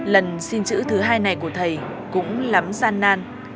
lần xin chữ thứ hai này của thầy cũng lắm gian nan